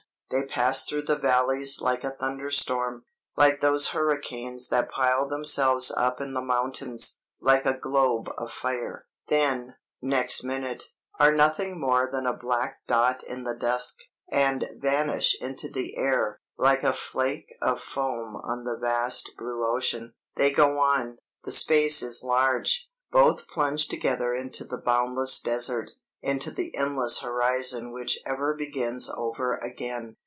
They pass through the valleys like a thunder storm, like those hurricanes that pile themselves up in the mountains, like a globe of fire; then, next minute, are nothing more than a black dot in the dusk, and vanish into the air like a flake of foam on the vast blue ocean. "They go on. The space is large. Both plunge together into the boundless desert, into the endless horizon which ever begins over again.